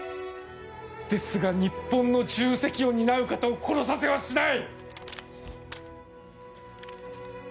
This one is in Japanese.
ですが、日本の重責を担う方を殺させはしない。